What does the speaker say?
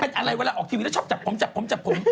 เป็นอะไรเวลาออกทีวีแล้วชอบจับผมจับผมจับผม